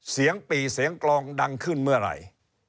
ปี่เสียงกลองดังขึ้นเมื่อไหร่